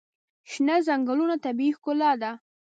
شنه ځنګلونه طبیعي ښکلا ده.